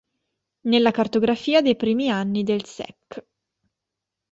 Nella cartografia dei primi anni del sec.